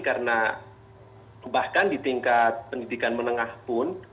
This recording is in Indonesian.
karena bahkan di tingkat pendidikan menengah pun